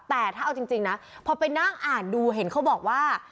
แต่ถ้าเอาจริงนะพอไปนั่งอ่านดูเห็นเขาบอกว่า